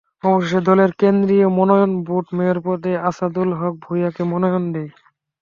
অবশেষে দলের কেন্দ্রীয় মনোনয়ন বোর্ড মেয়র পদে আসাদুল হক ভূঁইয়াকে মনোনয়ন দেয়।